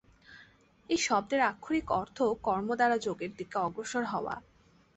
এই শব্দের আক্ষরিক অর্থ-কর্মদ্বারা যোগের দিকে অগ্রসর হওয়া।